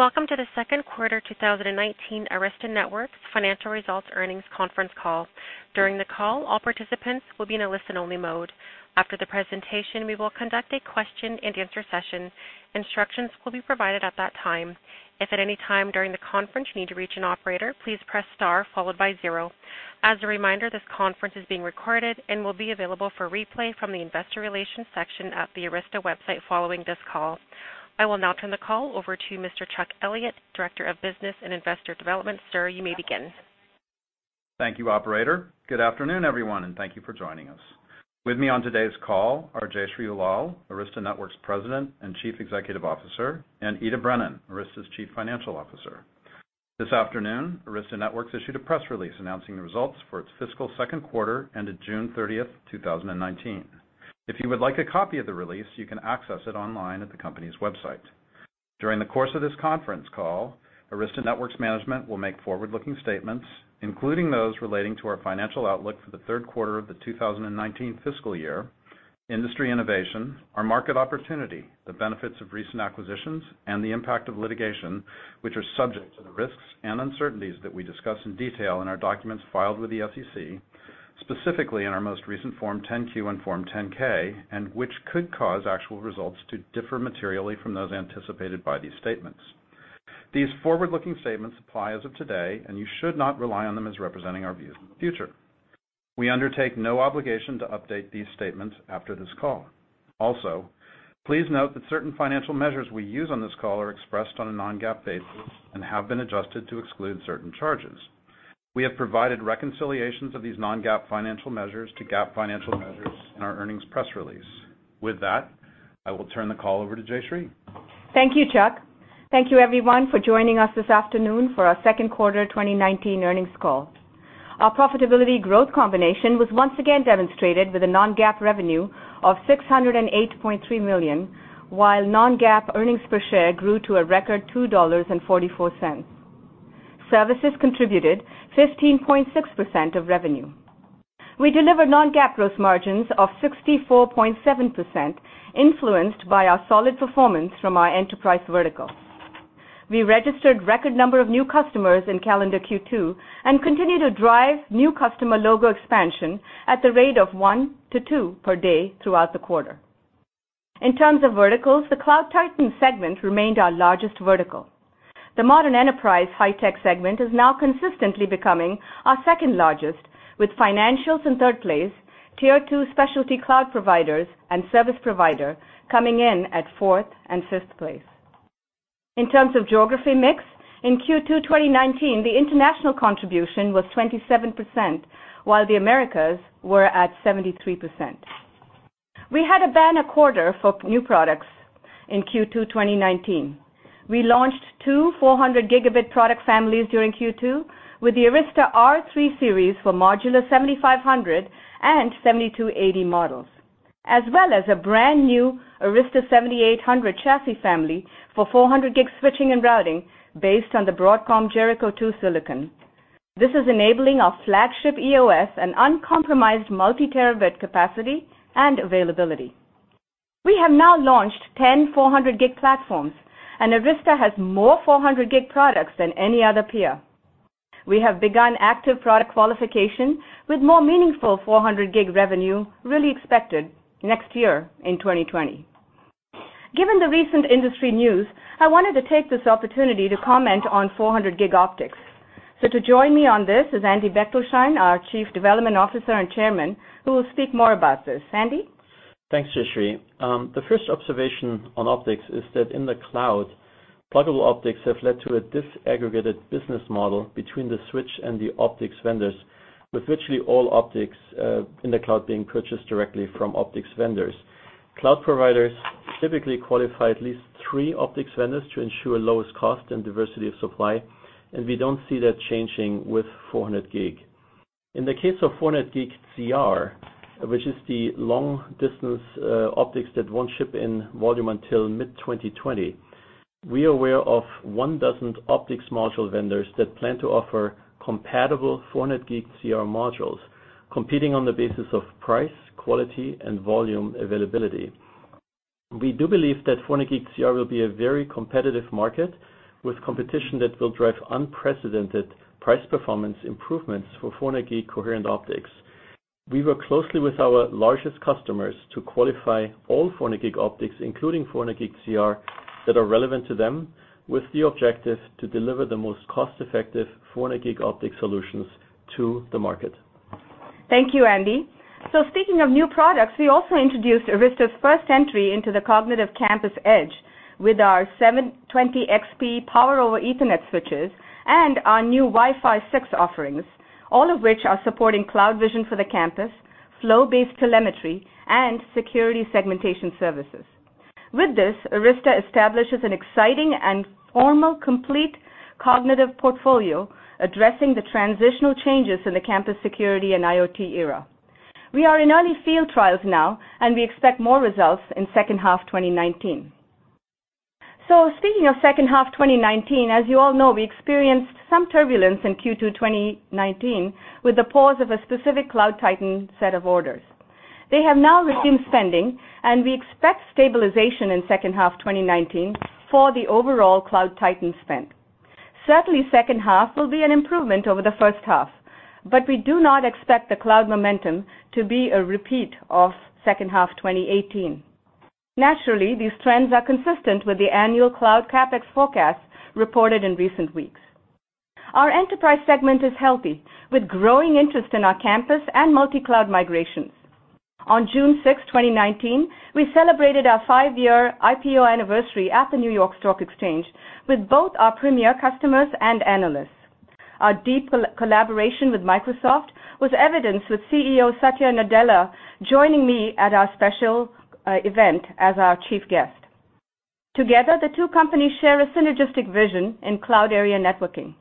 Welcome to the second quarter 2019 Arista Networks financial results earnings conference call. During the call, all participants will be in a listen-only mode. After the presentation, we will conduct a question and answer session. Instructions will be provided at that time. If at any time during the conference you need to reach an operator, please press star followed by zero. As a reminder, this conference is being recorded and will be available for replay from the investor relations section at the Arista website following this call. I will now turn the call over to Mr. Chuck Elliott, Director of Business and Investor Development. Sir, you may begin. Thank you, operator. Good afternoon, everyone, and thank you for joining us. With me on today's call are Jayshree Ullal, Arista Networks President and Chief Executive Officer, and Ita Brennan, Arista's Chief Financial Officer. This afternoon, Arista Networks issued a press release announcing the results for its fiscal second quarter ended June 30, 2019. If you would like a copy of the release, you can access it online at the company's website. During the course of this conference call, Arista Networks management will make forward-looking statements, including those relating to our financial outlook for the third quarter of the 2019 fiscal year, industry innovation, our market opportunity, the benefits of recent acquisitions, and the impact of litigation, which are subject to the risks and uncertainties that we discuss in detail in our documents filed with the SEC, specifically in our most recent Form 10-Q and Form 10-K, and which could cause actual results to differ materially from those anticipated by these statements. These forward-looking statements apply as of today, and you should not rely on them as representing our views in the future. We undertake no obligation to update these statements after this call. Also, please note that certain financial measures we use on this call are expressed on a non-GAAP basis and have been adjusted to exclude certain charges. We have provided reconciliations of these non-GAAP financial measures to GAAP financial measures in our earnings press release. With that, I will turn the call over to Jayshree. Thank you, Chuck. Thank you, everyone, for joining us this afternoon for our second quarter 2019 earnings call. Our profitability growth combination was once again demonstrated with a non-GAAP revenue of $608.3 million, while non-GAAP earnings per share grew to a record $2.44. Services contributed 15.6% of revenue. We delivered non-GAAP gross margins of 64.7% influenced by our solid performance from our enterprise vertical. We registered record number of new customers in calendar Q2, continue to drive new customer logo expansion at the rate of one to two per day throughout the quarter. In terms of verticals, the Cloud Titan segment remained our largest vertical. The modern enterprise high-tech segment is now consistently becoming our second largest, with financials in third place, tier 2 specialty cloud providers and service provider coming in at fourth and fifth place. In terms of geography mix, in Q2 2019, the international contribution was 27%, while the Americas were at 73%. We had a banner quarter for new products in Q2 2019. We launched two 400 Gigabit product families during Q2 with the Arista R3 Series for modular 7500 and 7280 Series models, as well as a brand-new Arista 7800 Series chassis family for 400 Gig switching and routing based on the Broadcom Jericho 2 silicon. This is enabling our flagship Arista EOS and uncompromised multi-terabit capacity and availability. We have now launched 10 400 Gig platforms, and Arista has more 400 Gig products than any other peer. We have begun active product qualification with more meaningful 400 Gig revenue really expected next year in 2020. Given the recent industry news, I wanted to take this opportunity to comment on 400 Gig optics. To join me on this is Andy Bechtolsheim, our Chief Development Officer and Chairman, who will speak more about this. Andy? Thanks, Jayshree. The first observation on optics is that in the cloud, pluggable optics have led to a disaggregated business model between the switch and the optics vendors, with virtually all optics in the cloud being purchased directly from optics vendors. Cloud providers typically qualify at least three optics vendors to ensure lowest cost and diversity of supply. We don't see that changing with 400 Gig. In the case of 400 Gig ZR, which is the long-distance optics that won't ship in volume until mid-2020, we are aware of one dozen optics module vendors that plan to offer compatible 400 Gig ZR modules, competing on the basis of price, quality, and volume availability. We do believe that 400 Gig ZR will be a very competitive market with competition that will drive unprecedented price performance improvements for 400 Gig coherent optics. We work closely with our largest customers to qualify all 400 Gig optics, including 400 Gig ZR, that are relevant to them with the objective to deliver the most cost-effective 400 Gig optic solutions to the market. Thank you, Andy. Speaking of new products, we also introduced Arista's first entry into the Cognitive Campus edge with our 720XP power over Ethernet switches and our new Wi-Fi 6 offerings, all of which are supporting CloudVision for the campus, flow-based telemetry, and security segmentation services. With this, Arista establishes an exciting and formal complete cognitive portfolio addressing the transitional changes in the campus security and IoT era. We are in early field trials now, and we expect more results in second half 2019. Speaking of second half 2019, as you all know, we experienced some turbulence in Q2 2019 with the pause of a specific Cloud Titan set of orders. They have now resumed spending, and we expect stabilization in second half 2019 for the overall Cloud Titan spend. Certainly, second half will be an improvement over the first half, but we do not expect the cloud momentum to be a repeat of second half 2018. Naturally, these trends are consistent with the annual cloud CapEx forecast reported in recent weeks. Our enterprise segment is healthy, with growing interest in our campus and multi-cloud migrations. On June 6th, 2019, we celebrated our five-year IPO anniversary at the New York Stock Exchange with both our premier customers and analysts. Our deep collaboration with Microsoft was evidenced with CEO Satya Nadella joining me at our special event as our chief guest. Together, the two companies share a synergistic vision in cloud area networking.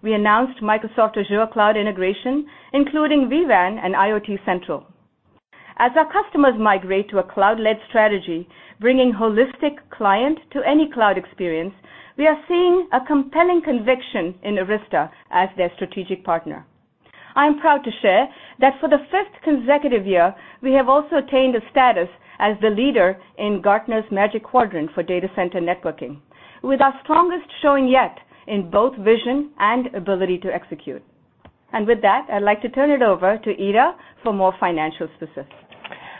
We announced Microsoft Azure cloud integration, including vWAN and IoT Central. As our customers migrate to a cloud-led strategy, bringing holistic client to any cloud experience, we are seeing a compelling conviction in Arista as their strategic partner. I am proud to share that for the fifth consecutive year, we have also attained a status as the leader in Gartner's Magic Quadrant for data center networking, with our strongest showing yet in both vision and ability to execute. With that, I'd like to turn it over to Ita for more financial specifics.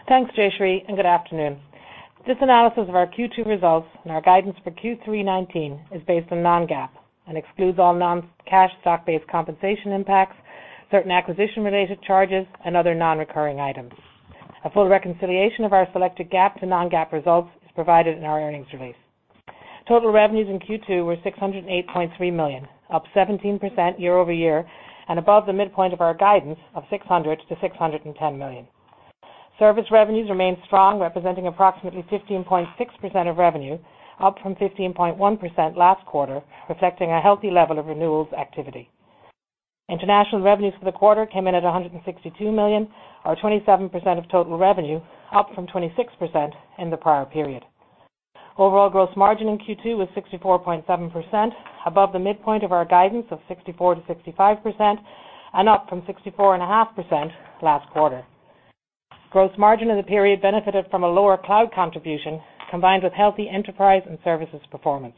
Thanks, Jayshree, and good afternoon. This analysis of our Q2 results and our guidance for Q3 2019 is based on non-GAAP and excludes all non-cash stock-based compensation impacts, certain acquisition-related charges, and other non-recurring items. A full reconciliation of our selected GAAP to non-GAAP results is provided in our earnings release. Total revenues in Q2 were $608.3 million, up 17% year-over-year and above the midpoint of our guidance of $600 million to $610 million. Service revenues remained strong, representing approximately 15.6% of revenue, up from 15.1% last quarter, reflecting a healthy level of renewals activity. International revenues for the quarter came in at $162 million, or 27% of total revenue, up from 26% in the prior period. Overall gross margin in Q2 was 64.7%, above the midpoint of our guidance of 64%-65% and up from 64.5% last quarter. Gross margin in the period benefited from a lower cloud contribution combined with healthy enterprise and services performance.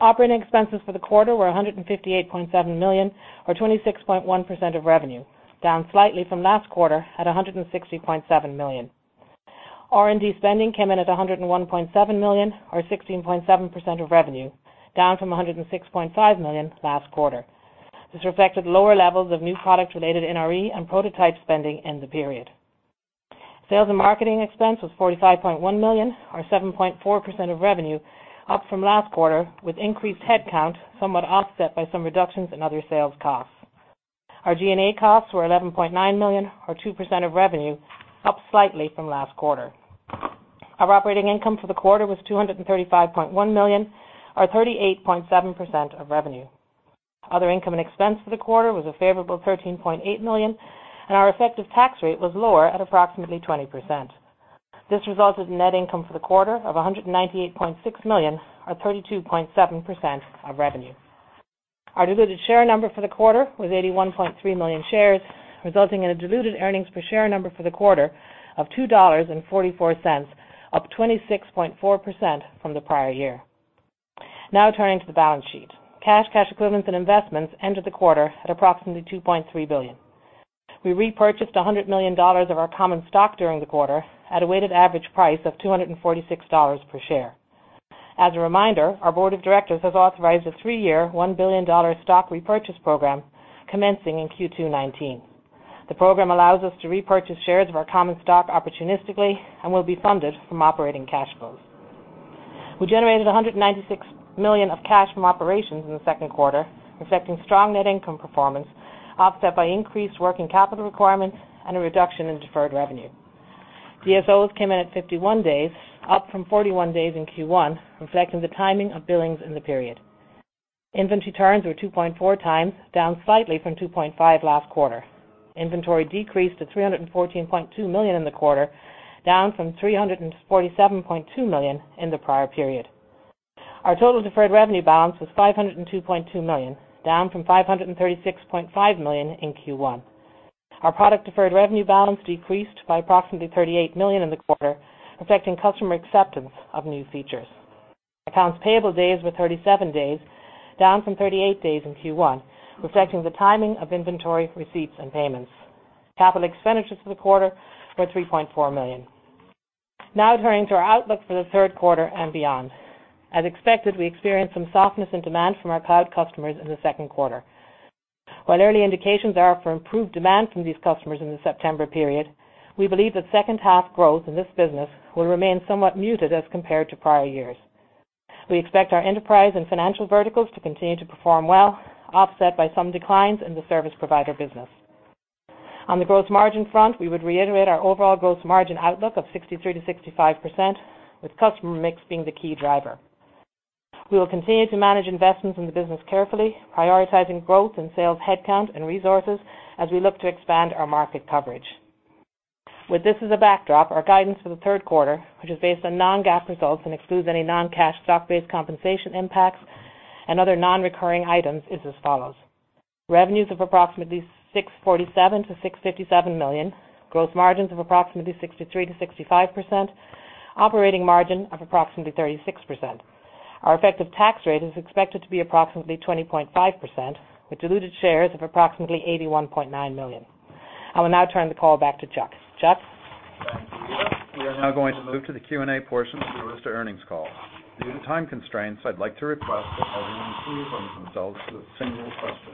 Operating expenses for the quarter were $158.7 million or 26.1% of revenue, down slightly from last quarter at $160.7 million. R&D spending came in at $101.7 million or 16.7% of revenue, down from $106.5 million last quarter. This reflected lower levels of new product-related NRE and prototype spending in the period. Sales and marketing expense was $45.1 million or 7.4% of revenue, up from last quarter with increased headcount, somewhat offset by some reductions in other sales costs. Our G&A costs were $11.9 million or 2% of revenue, up slightly from last quarter. Our operating income for the quarter was $235.1 million or 38.7% of revenue. Other income and expense for the quarter was a favorable $13.8 million and our effective tax rate was lower at approximately 20%. This resulted in net income for the quarter of $198.6 million or 32.7% of revenue. Our diluted share number for the quarter was 81.3 million shares, resulting in a diluted earnings per share number for the quarter of $2.44, up 26.4% from the prior year. Turning to the balance sheet. Cash, cash equivalents and investments ended the quarter at approximately $2.3 billion. We repurchased $100 million of our common stock during the quarter at a weighted average price of $246 per share. As a reminder, our board of directors has authorized a three-year, $1 billion stock repurchase program commencing in Q2 2019. The program allows us to repurchase shares of our common stock opportunistically and will be funded from operating cash flows. We generated $196 million of cash from operations in the second quarter, reflecting strong net income performance, offset by increased working capital requirements and a reduction in deferred revenue. DSOs came in at 51 days, up from 41 days in Q1, reflecting the timing of billings in the period. Inventory turns were 2.4 times, down slightly from 2.5 last quarter. Inventory decreased to $314.2 million in the quarter, down from $347.2 million in the prior period. Our total deferred revenue balance was $502.2 million, down from $536.5 million in Q1. Our product deferred revenue balance decreased by approximately $38 million in the quarter, reflecting customer acceptance of new features. Accounts payable days were 37 days, down from 38 days in Q1, reflecting the timing of inventory receipts and payments. Capital expenditures for the quarter were $3.4 million. Now turning to our outlook for the third quarter and beyond. As expected, we experienced some softness in demand from our cloud customers in the second quarter. Early indications are for improved demand from these customers in the September period, we believe that second half growth in this business will remain somewhat muted as compared to prior years. We expect our enterprise and financial verticals to continue to perform well, offset by some declines in the service provider business. On the gross margin front, we would reiterate our overall gross margin outlook of 63%-65%, with customer mix being the key driver. We will continue to manage investments in the business carefully, prioritizing growth in sales headcount and resources as we look to expand our market coverage. With this as a backdrop, our guidance for the third quarter, which is based on non-GAAP results and excludes any non-cash stock-based compensation impacts and other non-recurring items is as follows: revenues of approximately $647 million-$657 million, gross margins of approximately 63%-65%, operating margin of approximately 36%. Our effective tax rate is expected to be approximately 20.5%, with diluted shares of approximately 81.9 million. I will now turn the call back to Chuck. Chuck? Thank you, Ida. We are now going to move to the Q&A portion of the Arista earnings call. Due to time constraints, I'd like to request that everyone please limit themselves to a single question.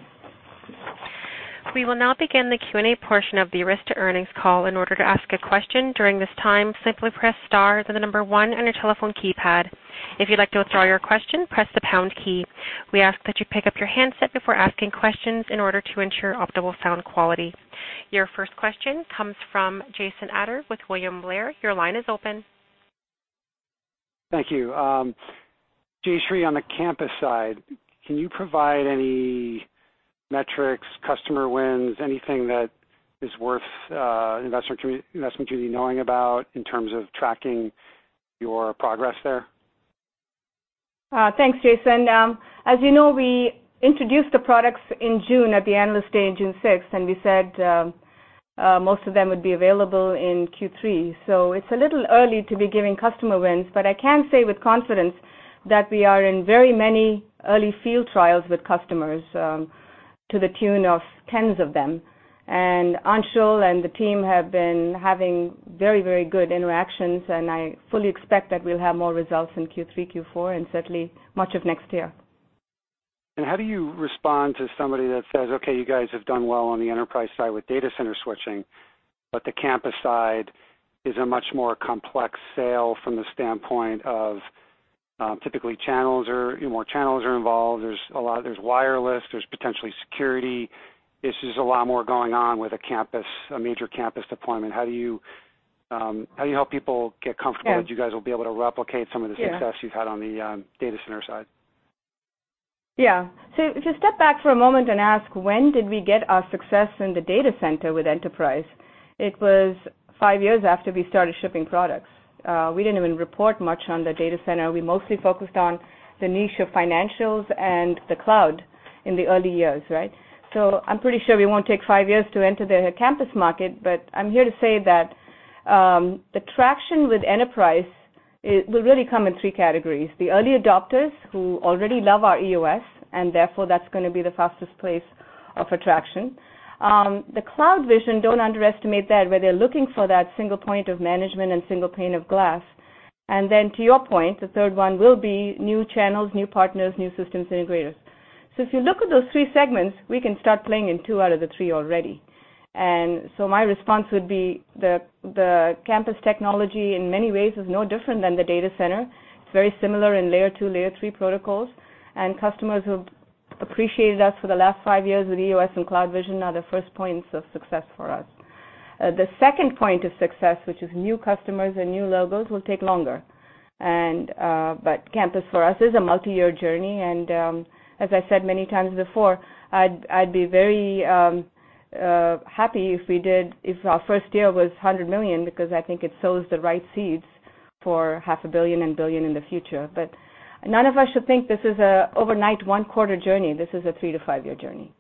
We will now begin the Q&A portion of the Arista earnings call. In order to ask a question during this time, simply press star, then the number one on your telephone keypad. If you'd like to withdraw your question, press the pound key. We ask that you pick up your handset before asking questions in order to ensure optimal sound quality. Your first question comes from Jason Ader with William Blair. Your line is open. Thank you. Jayshree, on the campus side, can you provide any metrics, customer wins, anything that is worth investment community knowing about in terms of tracking your progress there? Thanks, Jason. As you know, we introduced the products in June at the Analyst Day on June 6th, and we said most of them would be available in Q3. It's a little early to be giving customer wins, but I can say with confidence that we are in very many early field trials with customers, to the tune of tens of them. Anshul and the team have been having very good interactions, and I fully expect that we'll have more results in Q3, Q4, and certainly much of next year. How do you respond to somebody that says, "Okay, you guys have done well on the enterprise side with data center switching, but the campus side is a much more complex sale from the standpoint of typically more channels are involved. There's wireless, there's potentially security. There's just a lot more going on with a major campus deployment." How do you help people get comfortable? Yeah that you guys will be able to replicate some of the success- Yeah you've had on the data center side? If you step back for a moment and ask, when did we get our success in the data center with enterprise? It was five years after we started shipping products. We didn't even report much on the data center. We mostly focused on the niche of financials and the cloud in the early years, right? I'm pretty sure we won't take five years to enter the campus market, but I'm here to say that the traction with enterprise will really come in three categories. The early adopters who already love our EOS, and therefore, that's going to be the fastest place of attraction. The CloudVision, don't underestimate that, where they're looking for that single point of management and single pane of glass. To your point, the third one will be new channels, new partners, new systems integrators. If you look at those three segments, we can start playing in two out of the three already. My response would be the campus technology in many ways is no different than the data center. It's very similar in layer two, layer three protocols, and customers who appreciated us for the last five years with EOS and CloudVision are the first points of success for us. The second point of success, which is new customers and new logos, will take longer. Campus for us is a multi-year journey, and, as I said many times before, I'd be very happy if our first deal was $100 million because I think it sows the right seeds for half a billion and billion in the future. None of us should think this is a overnight one-quarter journey. This is a three- to five-year journey.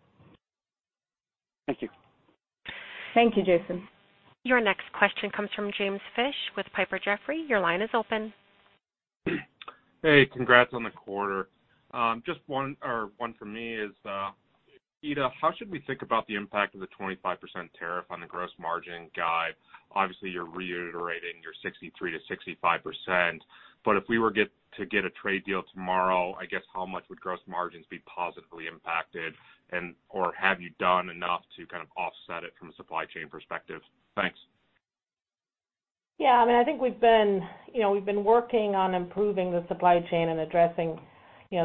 Thank you. Thank you, Jason. Your next question comes from James Fish with Piper Jaffray. Your line is open. Hey, congrats on the quarter. Just one from me is, Ita, how should we think about the impact of the 25% tariff on the gross margin guide? Obviously, you're reiterating your 63%-65%, but if we were to get a trade deal tomorrow, I guess how much would gross margins be positively impacted? Have you done enough to kind of offset it from a supply chain perspective? Thanks. Yeah. I think we've been working on improving the supply chain and addressing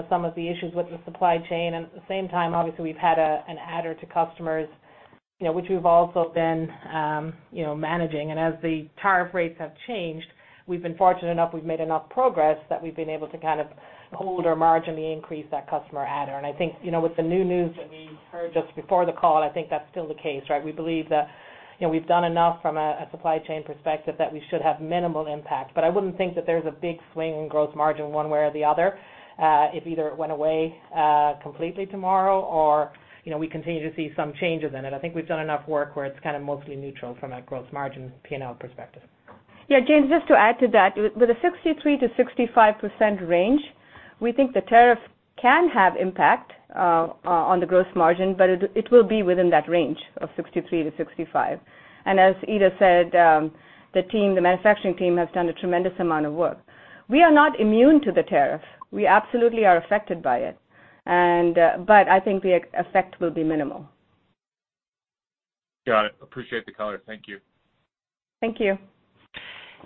some of the issues with the supply chain. At the same time, obviously, we've had an adder to customers, which we've also been managing. As the tariff rates have changed, we've been fortunate enough, we've made enough progress that we've been able to kind of hold our margin, the increase that customer adder. I think, with the new news that we heard just before the call, I think that's still the case, right? We believe that we've done enough from a supply chain perspective that we should have minimal impact. I wouldn't think that there's a big swing in gross margin one way or the other, if either it went away completely tomorrow or we continue to see some changes in it. I think we've done enough work where it's kind of mostly neutral from a gross margin P&L perspective. Yeah, James, just to add to that, with a 63%-65% range, we think the tariff can have impact on the gross margin, but it will be within that range of 63-65. As Ita said, the manufacturing team has done a tremendous amount of work. We are not immune to the tariff. We absolutely are affected by it. I think the effect will be minimal. Got it. Appreciate the color. Thank you. Thank you.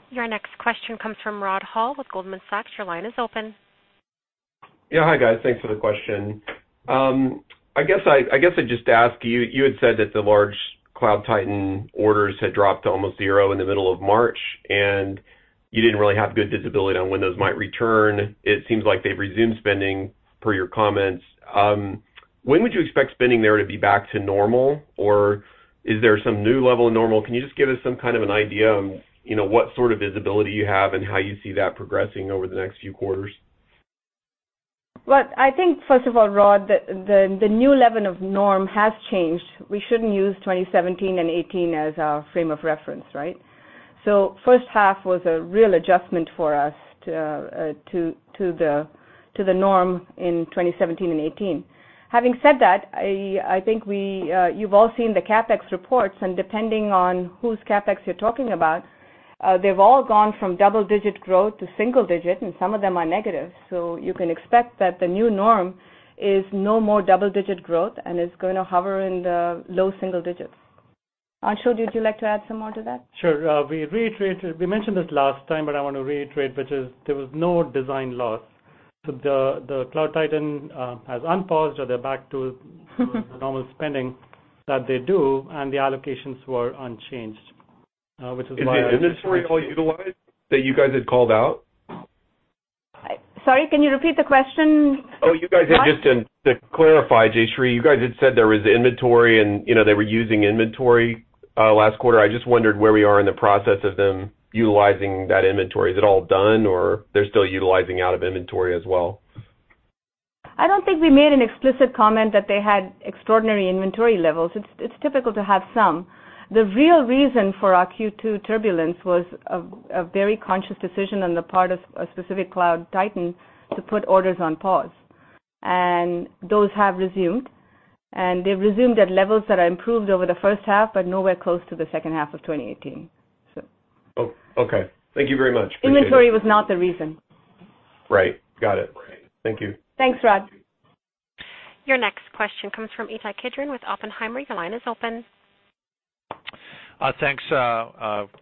Your next question comes from Rod Hall with Goldman Sachs. Your line is open. Yeah. Hi, guys. Thanks for the question. I guess I'd just ask you had said that the large Cloud Titan orders had dropped to almost zero in the middle of March, and you didn't really have good visibility on when those might return. It seems like they've resumed spending, per your comments. When would you expect spending there to be back to normal? Is there some new level of normal? Can you just give us some kind of an idea on what sort of visibility you have and how you see that progressing over the next few quarters? Well, I think, first of all, Rod, the new level of norm has changed. We shouldn't use 2017 and 2018 as our frame of reference, right? First half was a real adjustment for us to the norm in 2017 and 2018. Having said that, I think you've all seen the CapEx reports, and depending on whose CapEx you're talking about, they've all gone from double-digit growth to single digit, and some of them are negative. You can expect that the new norm is no more double-digit growth and is going to hover in the low single digits. Anshul, would you like to add some more to that? Sure. We mentioned this last time, but I want to reiterate, which is there was no design loss. The Cloud Titan has unpaused or they're back to the normal spending that they do, and the allocations were unchanged. Is the inventory all utilized that you guys had called out? Sorry, can you repeat the question, Rod? You guys had just, To clarify, Jayshree, you guys had said there was inventory, and they were using inventory last quarter. I just wondered where we are in the process of them utilizing that inventory. Is it all done, or they're still utilizing out of inventory as well? I don't think we made an explicit comment that they had extraordinary inventory levels. It's typical to have some. The real reason for our Q2 turbulence was a very conscious decision on the part of a specific Cloud Titan to put orders on pause. Those have resumed, and they've resumed at levels that are improved over the first half, but nowhere close to the second half of 2018. Oh, okay. Thank you very much. Appreciate it. Inventory was not the reason. Right. Got it. Thank you. Thanks, Rod. Your next question comes from Ittai Kidron with Oppenheimer. Your line is open. Thanks.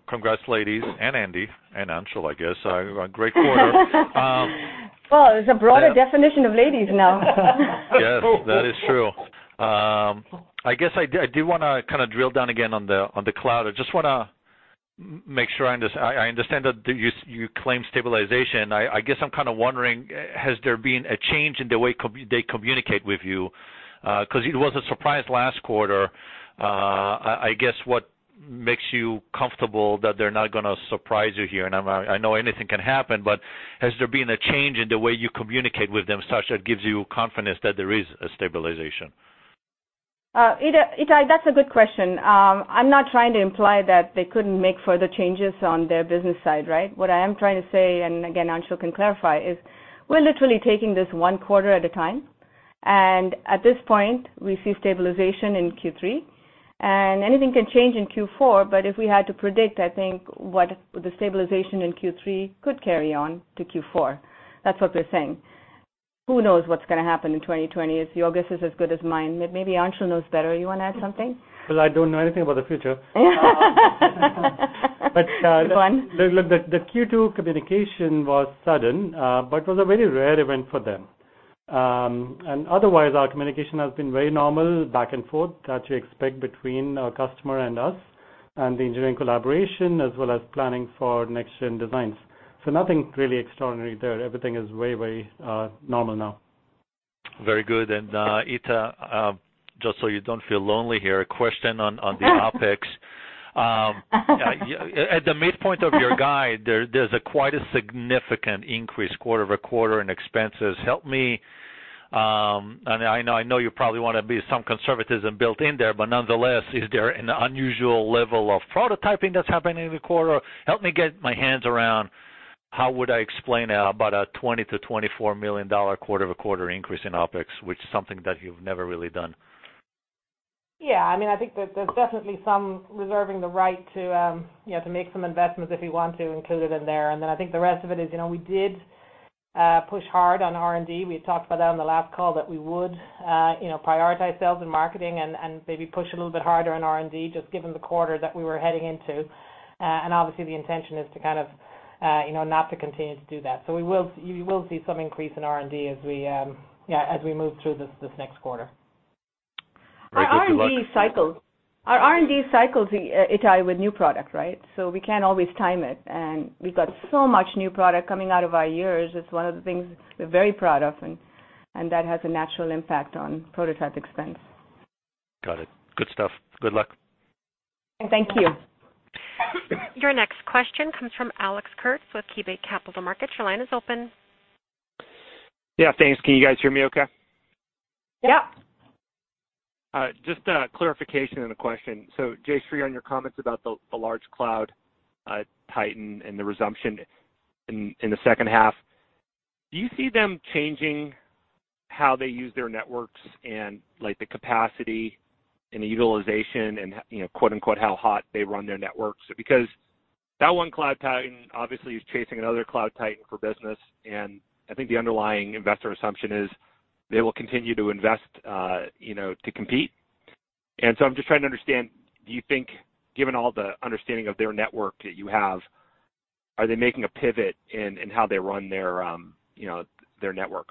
Congrats, ladies and Andy, and Anshul, I guess. A great quarter. Wow, there's a broader definition of ladies now. Yes, that is true. I guess I do want to drill down again on the cloud. I just want to make sure I understand that you claim stabilization. I guess I'm kind of wondering, has there been a change in the way they communicate with you? Because it was a surprise last quarter. I guess, what makes you comfortable that they're not going to surprise you here? I know anything can happen, but has there been a change in the way you communicate with them such that gives you confidence that there is a stabilization? Ittai, that's a good question. I'm not trying to imply that they couldn't make further changes on their business side, right? What I am trying to say, and again, Anshul can clarify, is we're literally taking this one quarter at a time. At this point, we see stabilization in Q3, and anything can change in Q4, but if we had to predict, I think what the stabilization in Q3 could carry on to Q4. That's what we're saying. Who knows what's going to happen in 2020? Your guess is as good as mine. Maybe Anshul knows better. You want to add something? Well, I don't know anything about the future. Good one. Look, the Q2 communication was sudden, but was a very rare event for them. Otherwise, our communication has been very normal, back and forth, that you expect between a customer and us, and the engineering collaboration as well as planning for next gen designs. Nothing really extraordinary there. Everything is very normal now. Very good. Ittai, just so you don't feel lonely here, a question on the OpEx. At the midpoint of your guide, there's quite a significant increase quarter-over-quarter in expenses. I know you probably want to be some conservatism built in there, but nonetheless, is there an unusual level of prototyping that's happening in the quarter? Help me get my hands around how would I explain about a $20 million-$24 million quarter-over-quarter increase in OpEx, which is something that you've never really done. Yeah, I think there's definitely some reserving the right to make some investments if we want to, included in there. I think the rest of it is, we did push hard on R&D. We talked about that on the last call that we would prioritize sales and marketing and maybe push a little bit harder on R&D, just given the quarter that we were heading into. Obviously, the intention is to kind of not to continue to do that. You will see some increase in R&D as we move through this next quarter. Great. Good luck. Our R&D cycles, Itay, with new product, right? We can't always time it, and we've got so much new product coming out of our ears. It's one of the things we're very proud of, and that has a natural impact on prototype expense. Got it. Good stuff. Good luck. Thank you. Your next question comes from Alex Kurtz with KeyBanc Capital Markets. Your line is open. Yeah, thanks. Can you guys hear me okay? Yep. Yeah. Just a clarification and a question. Jayshree, on your comments about the large Cloud Titan and the resumption in the second half, do you see them changing how they use their networks and the capacity and the utilization and "how hot" they run their networks? Because that one Cloud Titan obviously is chasing another Cloud Titan for business, and I think the underlying investor assumption is they will continue to invest to compete. I'm just trying to understand, do you think, given all the understanding of their network that you have, are they making a pivot in how they run their network?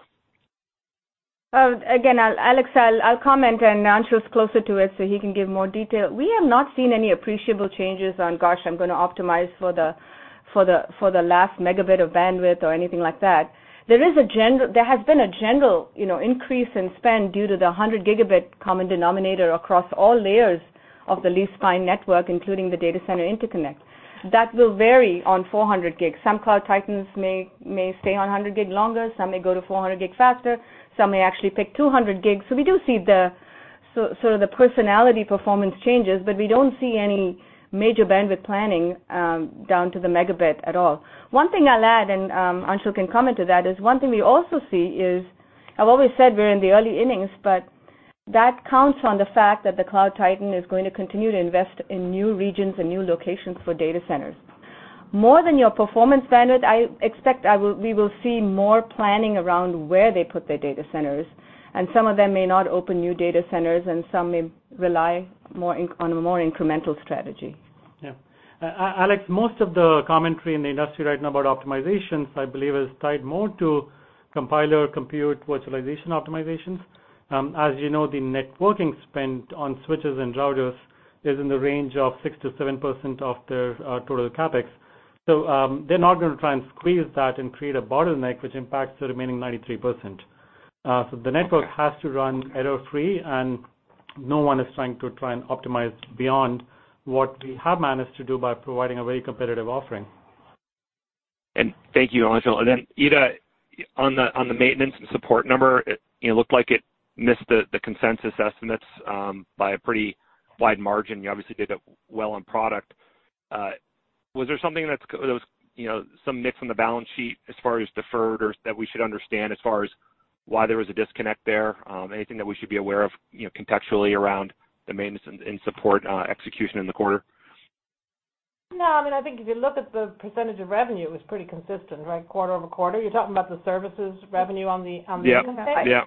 Alex, I'll comment, and Anshul's closer to it, so he can give more detail. We have not seen any appreciable changes on, gosh, I'm going to optimize for the last megabit of bandwidth or anything like that. There has been a general increase in spend due to the 100 gigabit common denominator across all layers of the lease line network, including the data center interconnect. That will vary on 400 gig. Some Cloud Titans may stay on 100 gig longer, some may go to 400 gig faster, some may actually pick 200 gigs. We do see the sort of the personality performance changes, but we don't see any major bandwidth planning down to the megabit at all. One thing I'll add, and Anshul can comment to that, is one thing we also see is, I've always said we're in the early innings, but that counts on the fact that the Cloud Titan is going to continue to invest in new regions and new locations for data centers. More than your performance standard, I expect we will see more planning around where they put their data centers, and some of them may not open new data centers, and some may rely on a more incremental strategy. Alex, most of the commentary in the industry right now about optimizations, I believe, is tied more to compiler compute virtualization optimizations. As you know, the networking spend on switches and routers is in the range of 6% to 7% of their total CapEx. They're not going to try and squeeze that and create a bottleneck which impacts the remaining 93%. The network has to run error-free, and no one is trying to optimize beyond what we have managed to do by providing a very competitive offering. Thank you, Anshul. Ita, on the maintenance and support number, it looked like it missed the consensus estimates by a pretty wide margin. You obviously did well on product. Was there some mix on the balance sheet as far as deferred or that we should understand as far as why there was a disconnect there? Anything that we should be aware of contextually around the maintenance and support execution in the quarter? I think if you look at the percentage of revenue, it was pretty consistent right quarter-over-quarter. You're talking about the services revenue on the income statement? Yeah.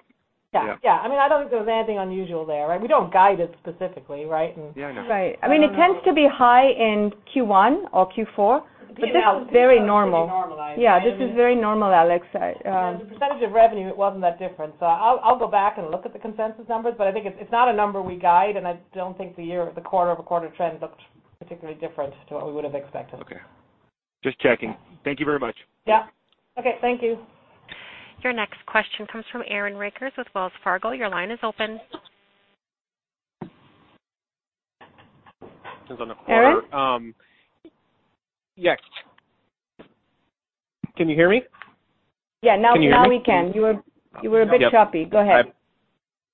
Yeah. I don't think there was anything unusual there, right? We don't guide it specifically, right? Yeah, I know. Right. It tends to be high in Q1 or Q4, but this is very normal. Pretty normalized. Yeah, this is very normal, Alex. The percentage of revenue, it wasn't that different. I'll go back and look at the consensus numbers, but I think it's not a number we guide, and I don't think the quarter-over-quarter trend looked particularly different to what we would have expected. Okay. Just checking. Thank you very much. Yeah. Okay, thank you. Your next question comes from Aaron Rakers with Wells Fargo. Your line is open. Aaron? Yes. Can you hear me? Yeah, now we can. Can you hear me? You were a bit choppy. Go ahead.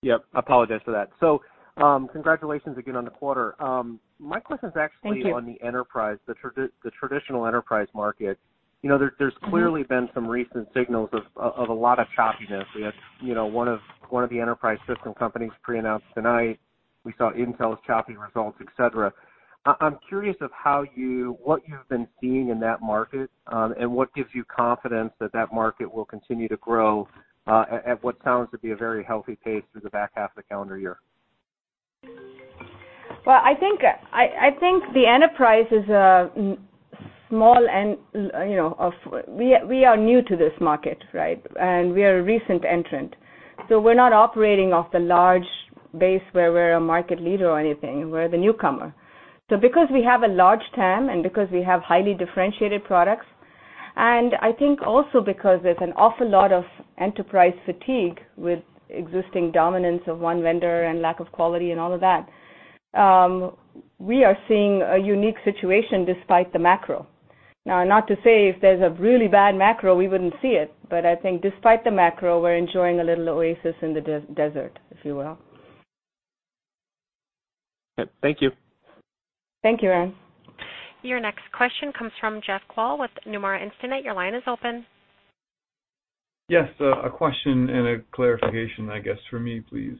Yep, I apologize for that. Congratulations again on the quarter. Thank you. My question's actually on the enterprise, the traditional enterprise market. There's clearly been some recent signals of a lot of choppiness. We had one of the enterprise system companies pre-announce tonight. We saw Intel's choppy results, et cetera. I'm curious of what you've been seeing in that market, and what gives you confidence that that market will continue to grow, at what sounds to be a very healthy pace through the back half of the calendar year. Well, I think the enterprise is small. We are new to this market, right? We are a recent entrant. We're not operating off the large base where we're a market leader or anything. We're the newcomer. Because we have a large TAM and because we have highly differentiated products, and I think also because there's an awful lot of enterprise fatigue with existing dominance of one vendor and lack of quality and all of that, we are seeing a unique situation despite the macro. Now, not to say if there's a really bad macro, we wouldn't see it, but I think despite the macro, we're enjoying a little oasis in the desert, if you will. Thank you. Thank you, Aaron. Your next question comes from Jeff Kvaal with Nomura Instinet. Your line is open. Yes, a question and a clarification, I guess for me, please.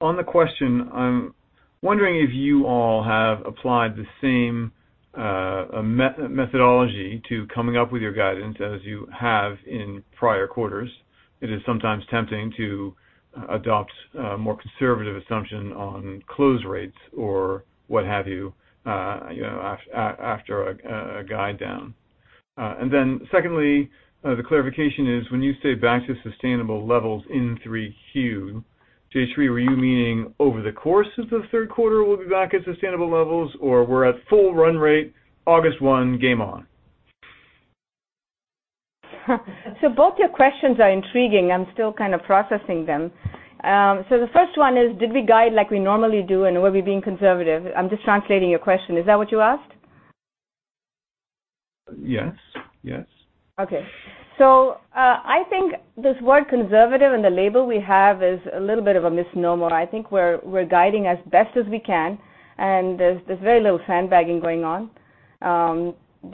On the question, I'm wondering if you all have applied the same methodology to coming up with your guidance as you have in prior quarters. It is sometimes tempting to adopt a more conservative assumption on close rates or what have you, after a guide down. Secondly, the clarification is when you say back to sustainable levels in 3Q, Jayshree, were you meaning over the course of the third quarter we'll be back at sustainable levels, or we're at full run rate August one, game on? Both your questions are intriguing. I'm still kind of processing them. The first one is, did we guide like we normally do, and were we being conservative? I'm just translating your question. Is that what you asked? Yes. Okay. I think this word conservative and the label we have is a little bit of a misnomer. I think we're guiding as best as we can, and there's very little sandbagging going on. Of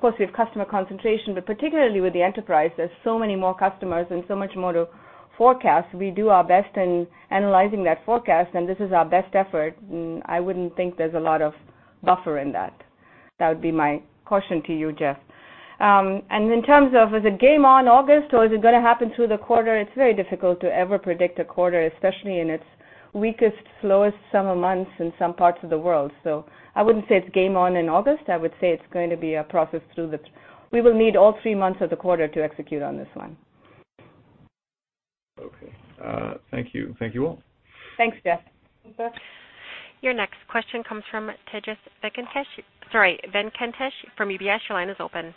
course, we have customer concentration, but particularly with the enterprise, there's so many more customers and so much more to forecast. We do our best in analyzing that forecast, and this is our best effort. I wouldn't think there's a lot of buffer in that. That would be my caution to you, Jeff. In terms of, is it game on August, or is it going to happen through the quarter? It's very difficult to ever predict a quarter, especially in its weakest, slowest summer months in some parts of the world. I wouldn't say it's game on in August. I would say it's going to be a process we will need all three months of the quarter to execute on this one. Okay. Thank you. Thank you all. Thanks, Jeff. Your next question comes from Tejas Venkatesh from UBS. Your line is open.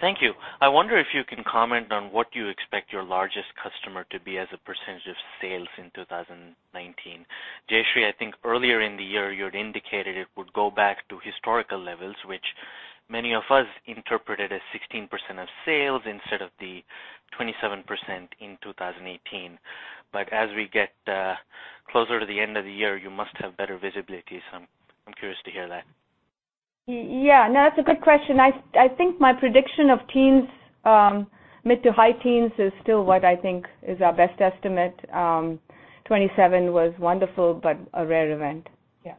Thank you. I wonder if you can comment on what you expect your largest customer to be as a percentage of sales in 2019. Jayshree, I think earlier in the year, you had indicated it would go back to historical levels, which many of us interpreted as 16% of sales instead of the 27% in 2018. As we get closer to the end of the year, you must have better visibility. I'm curious to hear that. Yeah, no, that's a good question. I think my prediction of mid to high teens is still what I think is our best estimate. 27 was wonderful, but a rare event. Yeah.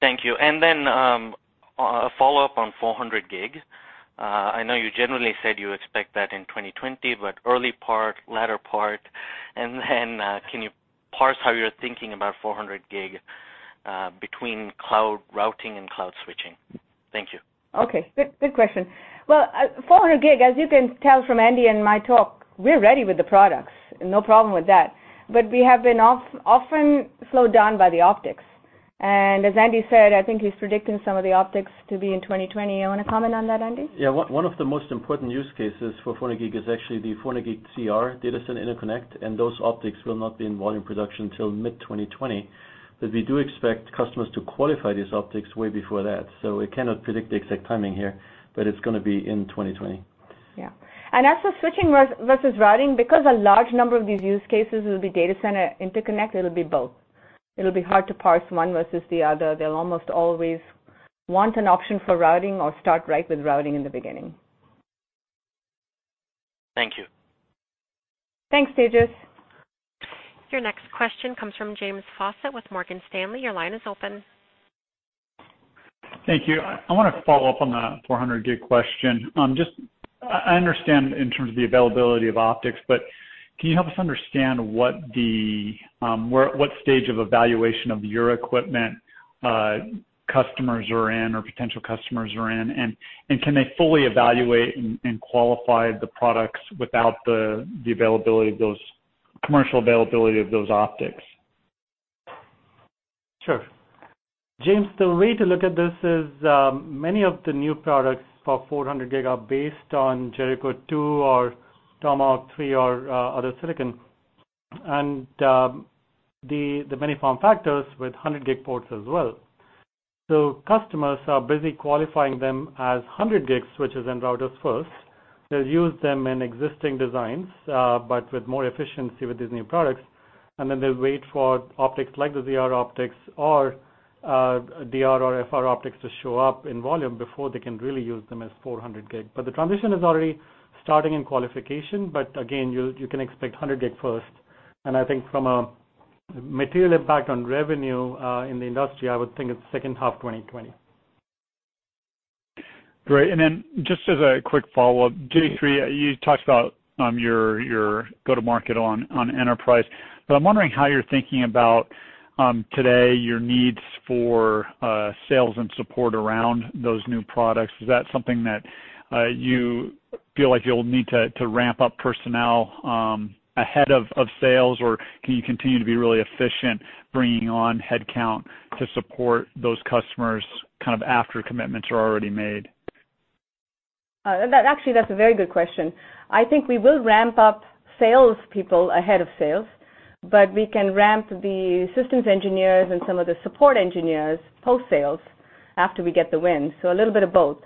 Thank you. A follow-up on 400G. I know you generally said you expect that in 2020. Early part, latter part? Can you parse how you're thinking about 400G between cloud routing and cloud switching? Thank you. Okay. Good question. Well, 400G, as you can tell from Andy and my talk, we're ready with the products. No problem with that. We have been often slowed down by the optics. As Andy said, I think he's predicting some of the optics to be in 2020. You want to comment on that, Andy? Yeah. One of the most important use cases for 400G is actually the 400G ZR data center interconnect, and those optics will not be in volume production till mid-2020. We do expect customers to qualify these optics way before that. We cannot predict the exact timing here, but it's going to be in 2020. Yeah. As for switching versus routing, because a large number of these use cases will be data center interconnect, it'll be both. It'll be hard to parse one versus the other. They'll almost always want an option for routing or start right with routing in the beginning. Thank you. Thanks, Tejas. Your next question comes from James Faucette with Morgan Stanley. Your line is open. Thank you. I want to follow up on the 400G question. I understand in terms of the availability of optics, but can you help us understand what stage of evaluation of your equipment customers are in or potential customers are in, and can they fully evaluate and qualify the products without the commercial availability of those optics? Sure. James, the way to look at this is many of the new products for 400G are based on Jericho 2 or Tomahawk 3 or other silicon. The many form factors with 100G ports as well. Customers are busy qualifying them as 100G switches and routers first. They'll use them in existing designs but with more efficiency with these new products, and then they'll wait for optics like the ZR optics or DR or FR optics to show up in volume before they can really use them as 400G. The transition is already starting in qualification, but again, you can expect 100G first. I think from a material impact on revenue in the industry, I would think it's second half 2020. Great. Then just as a quick follow-up, Jayshree, you talked about your go-to-market on enterprise, but I'm wondering how you're thinking about today your needs for sales and support around those new products. Is that something that you feel like you'll need to ramp up personnel ahead of sales, or can you continue to be really efficient bringing on headcount to support those customers after commitments are already made? Actually, that's a very good question. I think we will ramp up salespeople ahead of sales, but we can ramp the systems engineers and some of the support engineers post-sales after we get the win. A little bit of both.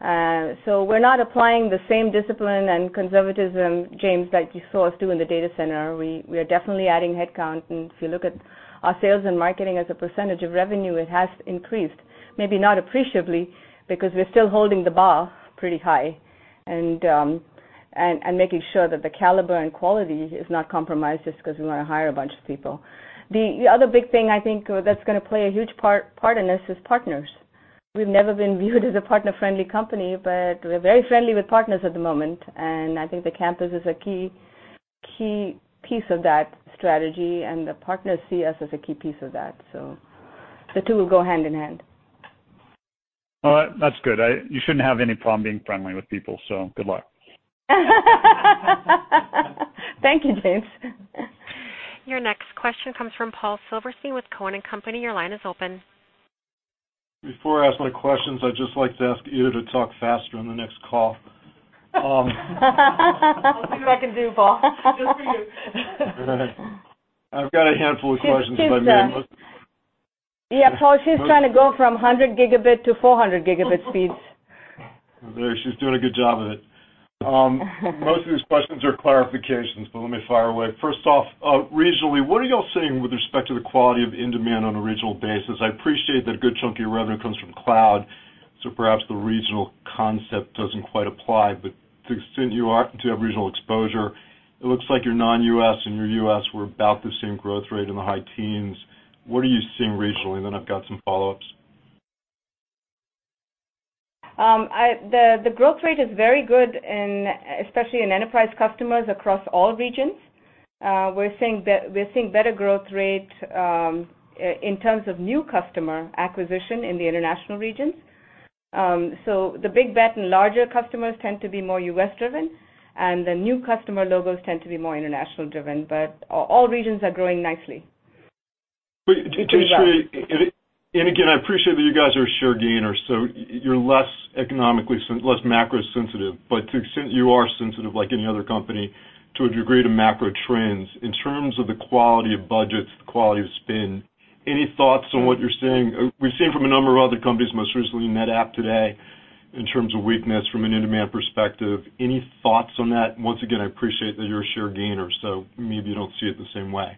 We're not applying the same discipline and conservatism, James, that you saw us do in the data center. We are definitely adding headcount, and if you look at our sales and marketing as a percentage of revenue, it has increased. Maybe not appreciably, because we're still holding the bar pretty high and making sure that the caliber and quality is not compromised just because we want to hire a bunch of people. The other big thing I think that's going to play a huge part in this is partners. We've never been viewed as a partner-friendly company, but we're very friendly with partners at the moment, and I think the campus is a key piece of that strategy, and the partners see us as a key piece of that. The two will go hand in hand. All right. That's good. You shouldn't have any problem being friendly with people, so good luck. Thank you, James. Your next question comes from Paul Silverstein with Cowen & Company. Your line is open. Before I ask my questions, I'd just like to ask you to talk faster on the next call. I'll see what I can do, Paul. Just for you. I've got a handful of questions by me. Yeah. Paul, she's trying to go from 100 gigabit to 400 gigabit speeds. There, she's doing a good job of it. Most of these questions are clarifications. Let me fire away. First off, regionally, what are you all seeing with respect to the quality of demand on a regional basis? I appreciate that a good chunk of your revenue comes from cloud. Perhaps the regional concept doesn't quite apply. To the extent you have regional exposure, it looks like your non-U.S. and your U.S. were about the same growth rate in the high teens. What are you seeing regionally? I've got some follow-ups. The growth rate is very good, especially in enterprise customers across all regions. We're seeing better growth rate in terms of new customer acquisition in the international regions. The big bet and larger customers tend to be more U.S.-driven, and the new customer logos tend to be more international-driven, but all regions are growing nicely. Jayshree, again, I appreciate that you guys are a share gainer, so you're less macro-sensitive, to an extent you are sensitive like any other company to a degree to macro trends. In terms of the quality of budgets, the quality of spend, any thoughts on what you're seeing? We've seen from a number of other companies, most recently NetApp today, in terms of weakness from an in-demand perspective. Any thoughts on that? Once again, I appreciate that you're a share gainer, so maybe you don't see it the same way.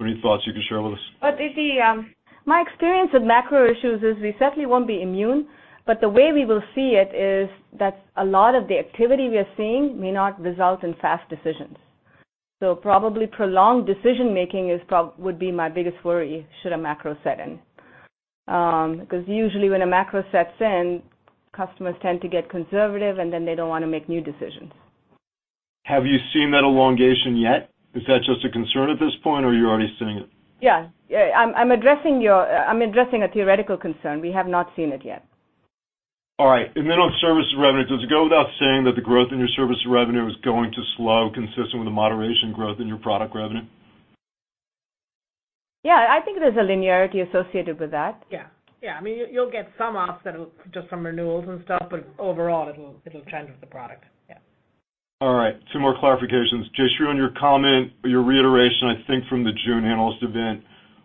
Any thoughts you could share with us? My experience with macro issues is we certainly won't be immune, but the way we will see it is that a lot of the activity we are seeing may not result in fast decisions. Probably prolonged decision-making would be my biggest worry should a macro set in. Usually when a macro sets in, customers tend to get conservative, and then they don't want to make new decisions. Have you seen that elongation yet? Is that just a concern at this point, or are you already seeing it? Yeah. I'm addressing a theoretical concern. We have not seen it yet. All right. Then on service revenue, does it go without saying that the growth in your service revenue is going to slow consistent with the moderation growth in your product revenue? Yeah, I think there's a linearity associated with that. Yeah. You'll get some offset just from renewals and stuff, overall it'll trend with the product. Yeah. All right. Two more clarifications. Jayshree, on your comment or your reiteration, I think from the June analyst event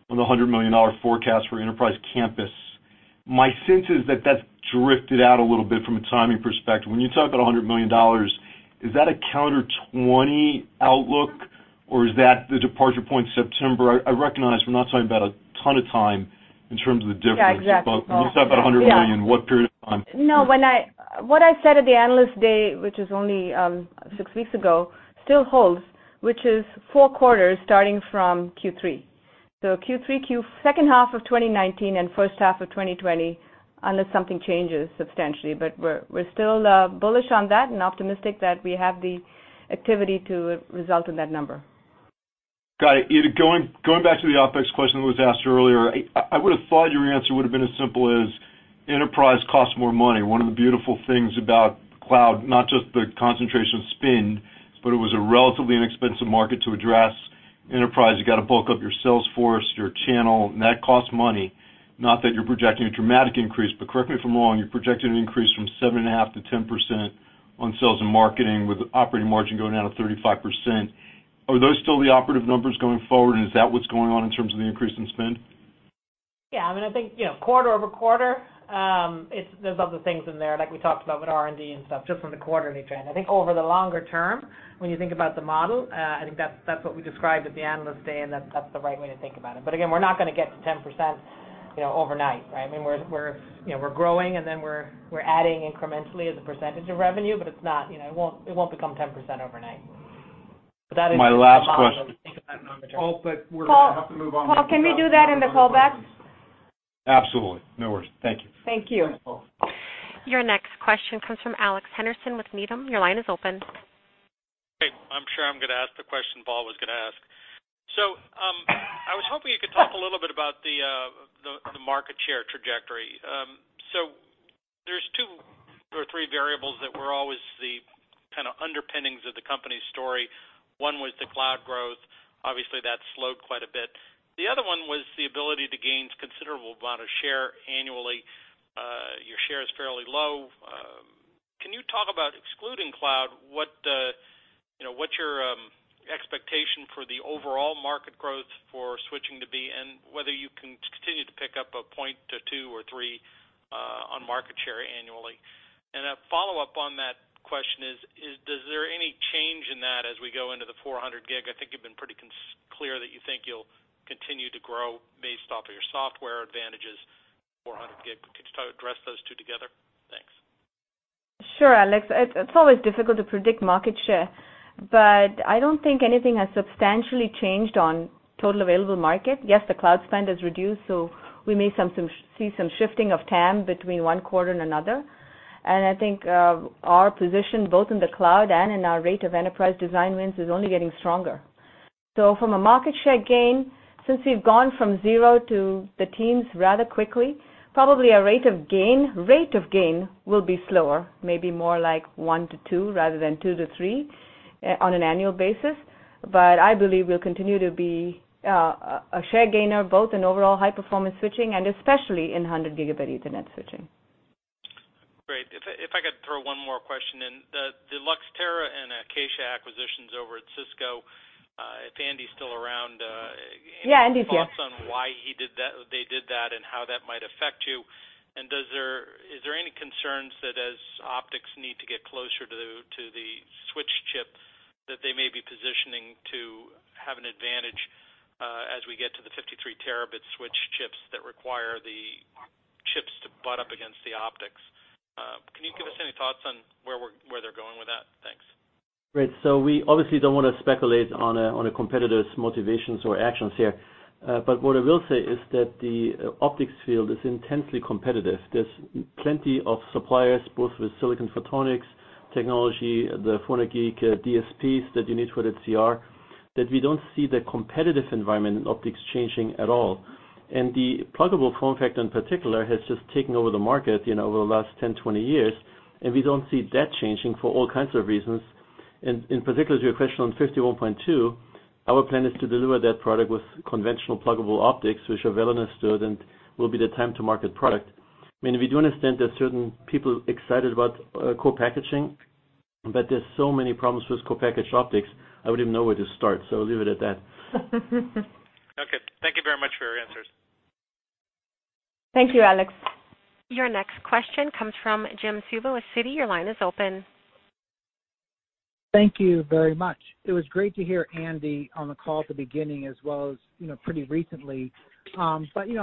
on the $100 million forecast for Enterprise Campus. My sense is that that's drifted out a little bit from a timing perspective. When you talk about $100 million, is that a CY 2020 outlook, or is that the departure point September? I recognize we're not talking about a ton of time in terms of the difference. Yeah, exactly. When you talk about $100 million, what period of time? No. What I said at the Analyst Day, which is only six weeks ago, still holds, which is four quarters starting from Q3. Q3, second half of 2019 and first half of 2020, unless something changes substantially. We're still bullish on that and optimistic that we have the activity to result in that number. Got it. Edith, going back to the OpEx question that was asked earlier. I would've thought your answer would've been as simple as enterprise costs more money. One of the beautiful things about cloud, not just the concentration spend, but it was a relatively inexpensive market to address. Enterprise, you've got to bulk up your sales force, your channel, and that costs money. Not that you're projecting a dramatic increase, but correct me if I'm wrong, you're projecting an increase from 7.5%-10% on sales and marketing, with operating margin going out of 35%. Are those still the operative numbers going forward, and is that what's going on in terms of the increase in spend? Yeah, I think quarter-over-quarter, there's other things in there, like we talked about with R&D and stuff, just from the quarterly trend. I think over the longer term, when you think about the model, I think that's what we described at the Analyst Day, and that's the right way to think about it. Again, we're not going to get to 10% overnight, right? We're growing and then we're adding incrementally as a percentage of revenue, but it won't become 10% overnight. My last question. The model that we think about longer term. Oh, we're going to have to move on. Paul, can we do that in the callback? Absolutely. No worries. Thank you. Thank you. Thanks, Paul. Your next question comes from Alex Henderson with Needham. Your line is open. Hey. I'm sure I'm going to ask the question Paul was going to ask. I was hoping you could talk a little bit about the market share trajectory. There's two or three variables that were always the kind of underpinnings of the company's story. One was the cloud growth. Obviously, that slowed quite a bit. The other one was the ability to gain considerable amount of share annually. Your share is fairly low. Can you talk about excluding cloud, what's your expectation for the overall market growth for switching to be, and whether you can continue to pick up a point to two or three on market share annually? A follow-up on that question is there any change in that as we go into the 400G? I think you've been pretty clear that you think you'll continue to grow based off of your software advantages 400G, but could you address those two together? Thanks. Sure, Alex. I don't think anything has substantially changed on total available market. Yes, the cloud spend has reduced, we may see some shifting of TAM between one quarter and another. I think our position both in the cloud and in our rate of enterprise design wins is only getting stronger. From a market share gain, since we've gone from zero to the teens rather quickly, probably our rate of gain will be slower, maybe more like one to two rather than two to three on an annual basis. I believe we'll continue to be a share gainer both in overall high-performance switching and especially in 100 Gigabit Ethernet switching. Great. If I could throw one more question in. The Luxtera and Acacia acquisitions over at Cisco, if Andy's still around. Yeah, Andy's here. any thoughts on why they did that and how that might affect you? Is there any concerns that as optics need to get closer to the switch chip, that they may be positioning to have an advantage as we get to the 53 terabit switch chips that require the chips to butt up against the optics? Can you give us any thoughts on where they're going with that? Thanks. Great. We obviously don't want to speculate on a competitor's motivations or actions here. What I will say is that the optics field is intensely competitive. There's plenty of suppliers, both with silicon photonics technology, the photonic DSPs that you need for the ZR. That we don't see the competitive environment in optics changing at all. The pluggable form factor in particular has just taken over the market, over the last 10, 20 years, and we don't see that changing for all kinds of reasons. In particular, to your question on 51.2T, our plan is to deliver that product with conventional pluggable optics, which are well understood and will be the time to market product. We do understand there's certain people excited about co-packaging, but there's so many problems with co-packaged optics, I wouldn't even know where to start, so I'll leave it at that. Okay. Thank you very much for your answers. Thank you, Alex. Your next question comes from Jim Suva with Citigroup. Your line is open. Thank you very much. It was great to hear Andy on the call at the beginning as well as pretty recently. Arista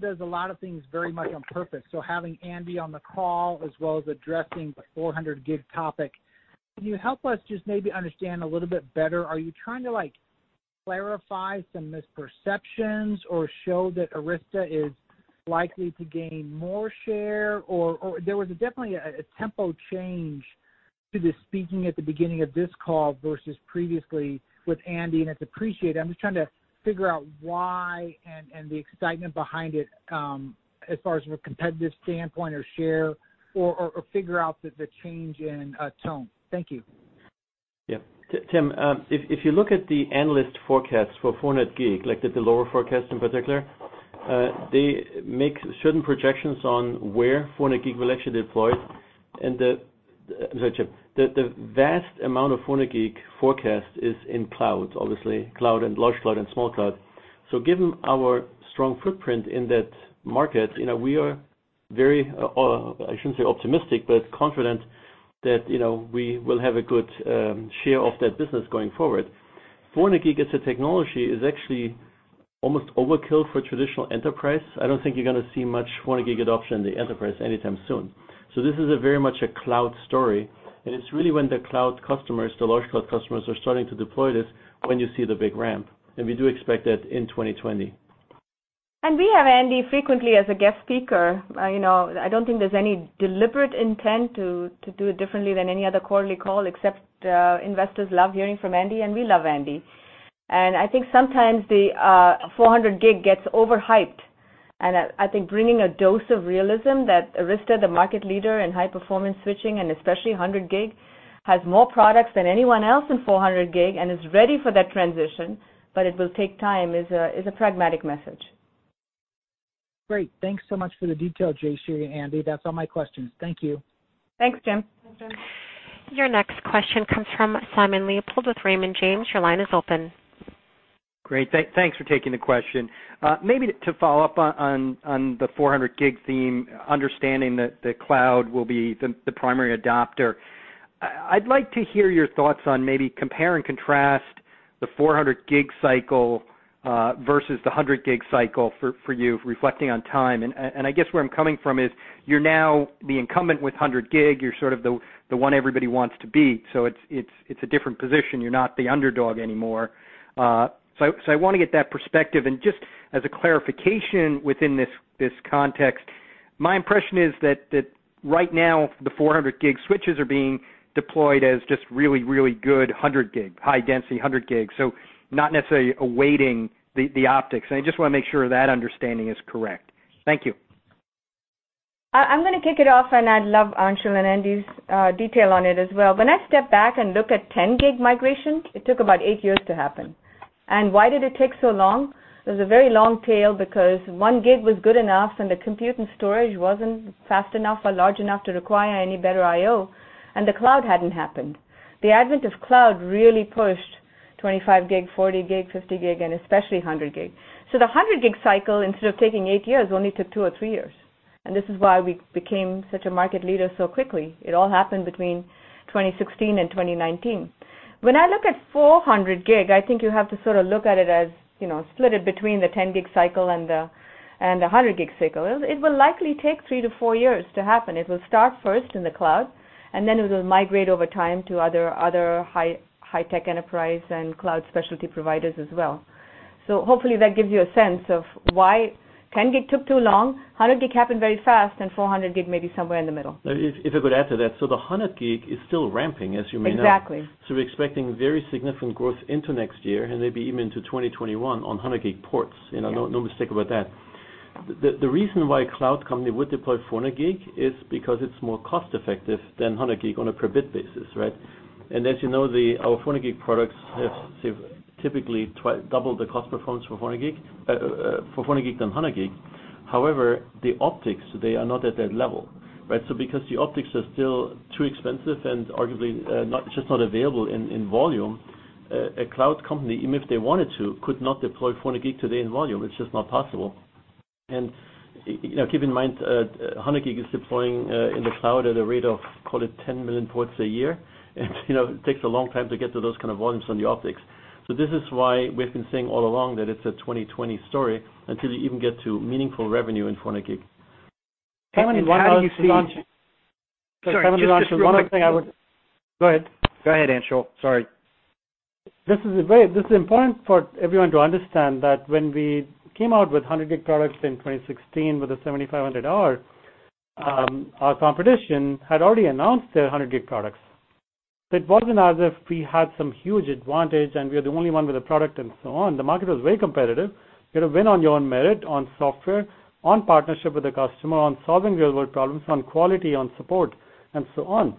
does a lot of things very much on purpose, so having Andy on the call, as well as addressing the 400G topic, can you help us just maybe understand a little bit better, are you trying to clarify some misperceptions or show that Arista is likely to gain more share? There was definitely a tempo change to the speaking at the beginning of this call versus previously with Andy, and it's appreciated. I'm just trying to figure out why and the excitement behind it, as far as from a competitive standpoint or share or, figure out the change in tone. Thank you. Yeah. Jim, if you look at the analyst forecasts for 400G, like at the lower forecast in particular, they make certain projections on where 400G will actually deploy. The vast amount of 400G forecast is in cloud, obviously cloud and large cloud and small cloud. Given our strong footprint in that market, we are very, I shouldn't say optimistic, but confident that we will have a good share of that business going forward. 400G as a technology is actually almost overkill for traditional enterprise. I don't think you're going to see much 400G adoption in the enterprise anytime soon. This is a very much a cloud story, and it's really when the cloud customers, the large cloud customers, are starting to deploy this, when you see the big ramp. We do expect that in 2020. We have Andy frequently as a guest speaker. I don't think there's any deliberate intent to do it differently than any other quarterly call, except investors love hearing from Andy, and we love Andy. I think sometimes the 400G gets over-hyped. I think bringing a dose of realism that Arista, the market leader in high-performance switching, and especially 100G, has more products than anyone else in 400G and is ready for that transition, but it will take time, is a pragmatic message. Great. Thanks so much for the detail, Jayshree, Andy. That's all my questions. Thank you. Thanks, Jim. Your next question comes from Simon Leopold with Raymond James. Your line is open. Great. Thanks for taking the question. Maybe to follow up on the 400G theme, understanding that cloud will be the primary adopter. I'd like to hear your thoughts on maybe compare and contrast the 400G cycle, versus the 100G cycle for you, reflecting on time. I guess where I'm coming from is you're now the incumbent with 100G. You're sort of the one everybody wants to be. It's a different position. You're not the underdog anymore. I want to get that perspective, and just as a clarification within this context, my impression is that right now, the 400G switches are being deployed as just really, really good 100G, high density 100G. Not necessarily awaiting the optics. I just want to make sure that understanding is correct. Thank you. I'm going to kick it off. I'd love Anshul and Andy's detail on it as well. When I step back and look at 10G migration, it took about eight years to happen. Why did it take so long? It was a very long tail because 1G was good enough, and the compute and storage wasn't fast enough or large enough to require any better IO, and the cloud hadn't happened. The advent of cloud really pushed 25G, 40G, 50G, and especially 100G. The 100G cycle, instead of taking eight years, only took two or three years. This is why we became such a market leader so quickly. It all happened between 2016 and 2019. When I look at 400G, I think you have to sort of look at it as split it between the 10G cycle and the 100G cycle. It will likely take three to four years to happen. It will start first in the cloud, and then it will migrate over time to other high-tech enterprise and cloud specialty providers as well. Hopefully that gives you a sense of why 10G took too long, 100G happened very fast, and 400G may be somewhere in the middle. If I could add to that. The 100G is still ramping, as you may know. Exactly. We're expecting very significant growth into next year, and maybe even into 2021 on 100G ports. No mistake about that. The reason why a cloud company would deploy 400G is because it's more cost-effective than 100G on a per bit basis, right? As you know, our 400G products have typically double the cost performance for 400G than 100G. However, the optics, they are not at that level, right? Because the optics are still too expensive and arguably just not available in volume, a cloud company, even if they wanted to, could not deploy 400G today in volume. It's just not possible. Keep in mind, 100G is deploying in the cloud at a rate of, call it 10 million ports a year. It takes a long time to get to those kind of volumes on the optics. This is why we've been saying all along that it's a 2020 story until you even get to meaningful revenue in 400G. How do you see? 7100 is launching. Sorry, just this real quick. 7100 is launching. One thing I would. Go ahead. Go ahead, Anshul. Sorry. This is important for everyone to understand that when we came out with 100G products in 2016 with the 7500R. Our competition had already announced their 100G products. It wasn't as if we had some huge advantage and we are the only one with a product and so on. The market was very competitive. You had to win on your own merit, on software, on partnership with the customer, on solving real-world problems, on quality, on support, and so on.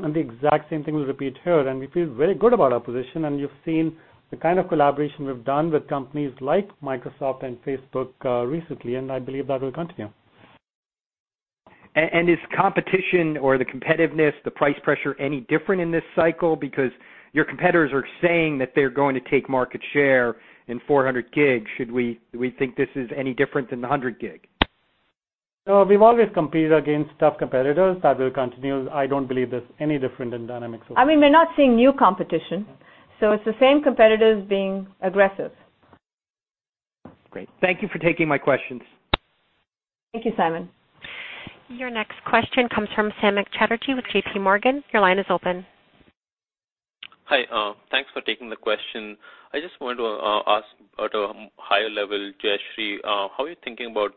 The exact same thing will repeat here, and we feel very good about our position, and you've seen the kind of collaboration we've done with companies like Microsoft and Facebook recently, and I believe that will continue. Is competition or the competitiveness, the price pressure any different in this cycle? Because your competitors are saying that they're going to take market share in 400G. Should we think this is any different than 100G? No, we've always competed against tough competitors. That will continue. I don't believe there's any different in dynamics. I mean, we're not seeing new competition. It's the same competitors being aggressive. Great. Thank you for taking my questions. Thank you, Simon. Your next question comes from Samik Chatterjee with JPMorgan. Your line is open. Hi. Thanks for taking the question. I just wanted to ask at a higher level, Jayshree, how are you thinking about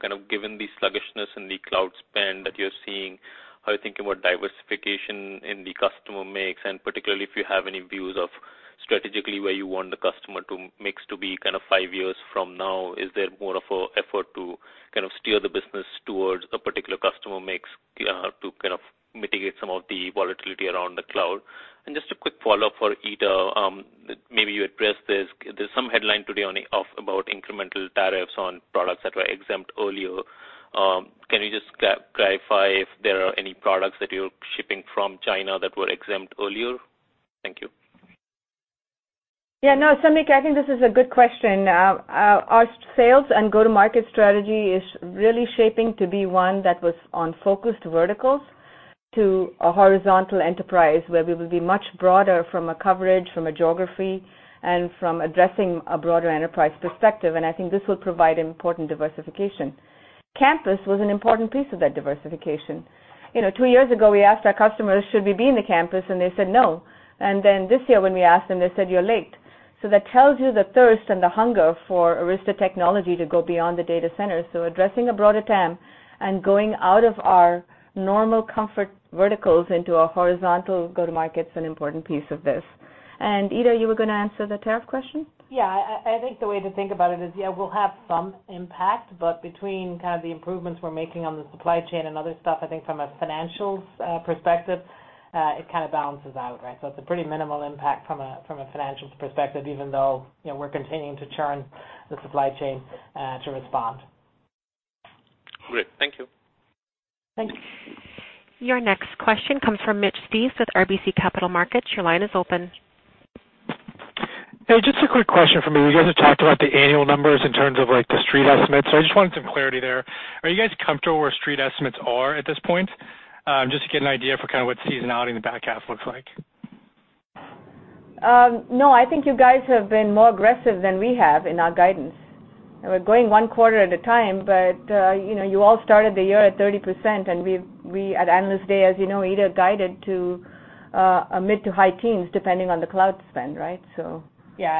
kind of given the sluggishness in the cloud spend that you're seeing, how are you thinking about diversification in the customer mix, and particularly if you have any views of strategically where you want the customer to mix to be kind of five years from now? Is there more of an effort to steer the business towards a particular customer mix to mitigate some of the volatility around the cloud? Just a quick follow-up for Ita. Maybe you addressed this. There's some headline today about incremental tariffs on products that were exempt earlier. Can you just clarify if there are any products that you're shipping from China that were exempt earlier? Thank you. Yeah, no, Samik, I think this is a good question. Our sales and go-to-market strategy is really shaping to be one that was on focused verticals to a horizontal enterprise where we will be much broader from a coverage, from a geography, and from addressing a broader enterprise perspective. I think this will provide important diversification. Campus was an important piece of that diversification. Two years ago, we asked our customers, "Should we be in the campus?" They said, "No." This year when we asked them, they said, "You're late." That tells you the thirst and the hunger for Arista technology to go beyond the data center. Addressing a broader TAM and going out of our normal comfort verticals into a horizontal go-to-market's an important piece of this. Ita, you were going to answer the tariff question? Yeah, I think the way to think about it is, yeah, we'll have some impact, but between the improvements we're making on the supply chain and other stuff, I think from a financials perspective, it kind of balances out, right. It's a pretty minimal impact from a financials perspective, even though we're continuing to churn the supply chain to respond. Great. Thank you. Thank you. Your next question comes from Mitch Steves with RBC Capital Markets. Your line is open. Hey, just a quick question for me. You guys have talked about the annual numbers in terms of the Street estimates. I just wanted some clarity there. Are you guys comfortable where Street estimates are at this point? Just to get an idea for what seasonality in the back half looks like. No, I think you guys have been more aggressive than we have in our guidance. We're going one quarter at a time, but you all started the year at 30%, and we at Analyst Day, as you know, Ita guided to a mid to high teens depending on the cloud spend, right? So Yeah,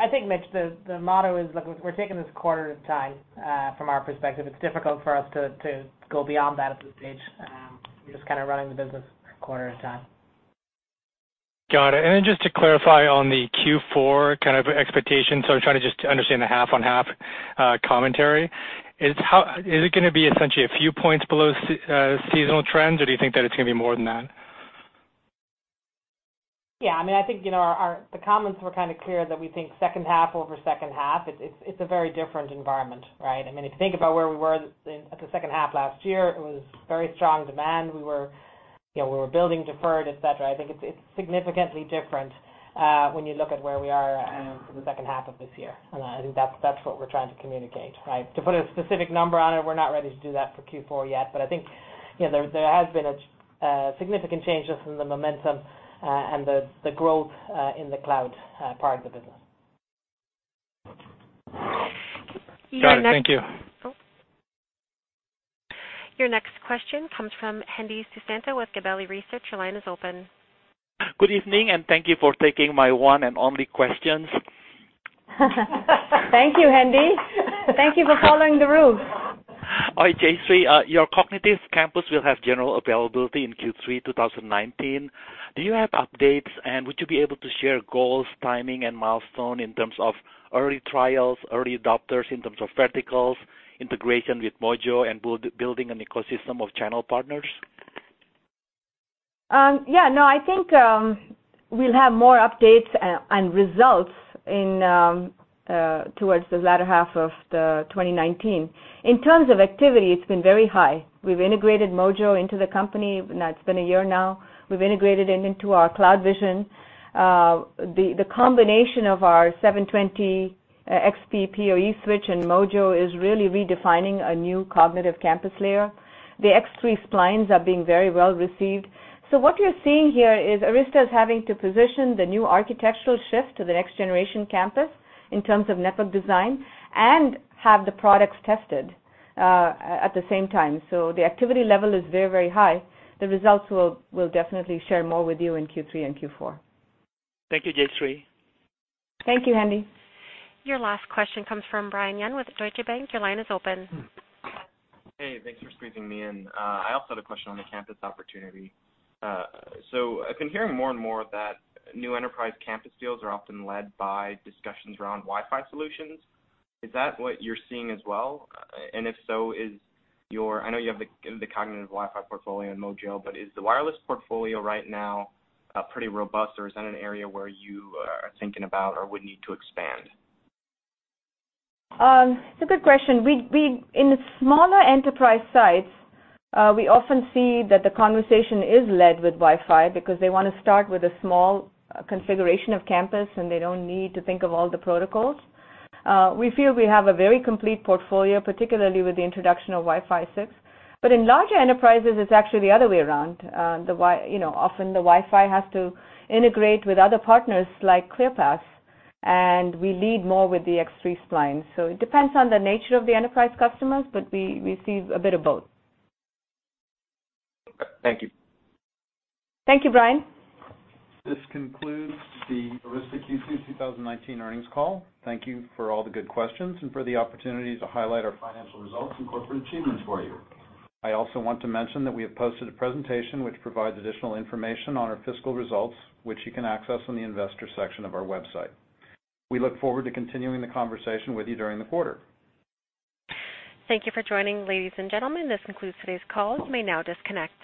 I think, Mitch, the motto is, look, we're taking this quarter at a time from our perspective. It's difficult for us to go beyond that at this stage. We're just running the business a quarter at a time. Got it. Just to clarify on the Q4 kind of expectation, I'm trying to just understand the half-on-half commentary. Is it going to be essentially a few points below seasonal trends, or do you think that it's going to be more than that? Yeah, I think the comments were kind of clear that we think second half over second half. It's a very different environment, right? If you think about where we were at the second half last year, it was very strong demand. We were building deferred, et cetera. I think it's significantly different when you look at where we are in the second half of this year. I think that's what we're trying to communicate, right? To put a specific number on it, we're not ready to do that for Q4 yet, but I think there has been a significant change just in the momentum and the growth in the cloud part of the business. Got it. Thank you. Your next question comes from Hendi Susanto with Gabelli Research. Your line is open. Good evening, and thank you for taking my one and only questions. Thank you, Hendy. Thank you for following the rules. All right, Jayshree, your Cognitive Campus will have general availability in Q3 2019. Do you have updates, and would you be able to share goals, timing, and milestone in terms of early trials, early adopters in terms of verticals, integration with Mojo, and building an ecosystem of channel partners? Yeah, no, I think we'll have more updates and results towards the latter half of 2019. In terms of activity, it's been very high. We've integrated Mojo into the company. Now it's been a year now. We've integrated it into our CloudVision. The combination of our 720XP PoE switch and Mojo is really redefining a new Cognitive Campus layer. The X3 Splines are being very well received. What you're seeing here is Arista's having to position the new architectural shift to the next generation campus in terms of network design and have the products tested at the same time. The activity level is very high. The results we'll definitely share more with you in Q3 and Q4. Thank you, Jayshree. Thank you, Hendi. Your last question comes from Brian Young with Deutsche Bank. Your line is open. Hey, thanks for squeezing me in. I also had a question on the campus opportunity. I've been hearing more and more that new enterprise campus deals are often led by discussions around Wi-Fi solutions. Is that what you're seeing as well? If so, I know you have the Cognitive Wi-Fi portfolio in Mojo, but is the wireless portfolio right now pretty robust, or is that an area where you are thinking about or would need to expand? It's a good question. In the smaller enterprise sites, we often see that the conversation is led with Wi-Fi because they want to start with a small configuration of campus, and they don't need to think of all the protocols. We feel we have a very complete portfolio, particularly with the introduction of Wi-Fi 6. In larger enterprises, it's actually the other way around. Often the Wi-Fi has to integrate with other partners like ClearPass, and we lead more with the X3 Spline. It depends on the nature of the enterprise customers, but we see a bit of both. Thank you. Thank you, Brian. This concludes the Arista Q2 2019 earnings call. Thank you for all the good questions and for the opportunity to highlight our financial results and corporate achievements for you. I also want to mention that we have posted a presentation which provides additional information on our fiscal results, which you can access on the investor section of our website. We look forward to continuing the conversation with you during the quarter. Thank you for joining, ladies and gentlemen. This concludes today's call. You may now disconnect.